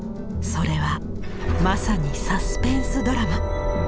それはまさにサスペンスドラマ。